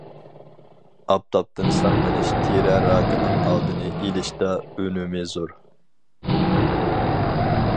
ئاپتاپتىن ساقلىنىش تېرە راكىنىڭ ئالدىنى ئېلىشتا ئۈنۈمى زور.